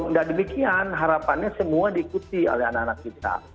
tidak demikian harapannya semua diikuti oleh anak anak kita